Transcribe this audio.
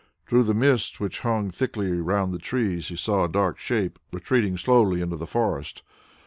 Through the mist which hung thickly round the trees he saw a dark shape retreating slowly into the forest.